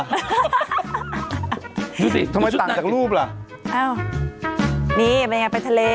ดูสิทำไมตังจากรูปล่ะนี่มันยังเป็นทะเล